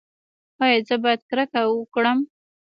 ایا زه باید کرکه وکړم؟